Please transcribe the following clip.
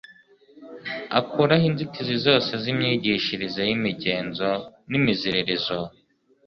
Akuraho inzitizi zose z'imyigishirize y'imigenzo n'imiziririzo.